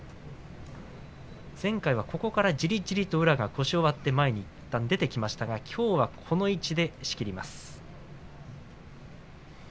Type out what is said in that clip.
前回はここからじりじりと宇良が腰を割って前に出ていきましたがきょうはこの位置で仕切ります。